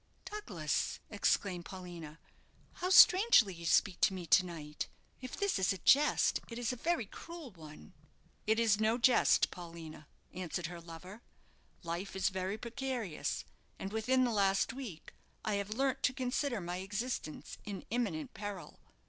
"Douglas," exclaimed Paulina, "how strangely you speak to me to night! If this is a jest, it is a very cruel one." "It is no jest, Paulina," answered her lover. "Life is very precarious, and within the last week I have learnt to consider my existence in imminent peril."